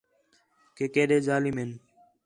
کہ کِیݙے ظالم ہِن